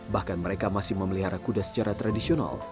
bahkan mereka masih memelihara kuda secara tradisional